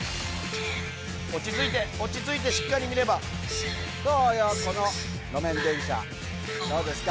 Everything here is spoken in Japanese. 落ち着いて落ち着いてしっかり見ればどうよこの路面電車どうですか？